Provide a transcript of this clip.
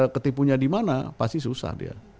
ketipunya dimana pasti susah dia